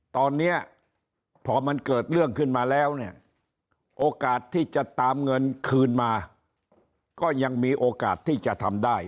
ตอนนี้พอมันเกิดเรื่องขึ้นมาแล้วเนี่ยโอกาสที่จะตามเงินคืนมาก็ยังมีโอกาสที่จะทำได้